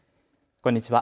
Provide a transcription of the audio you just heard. こんにちは。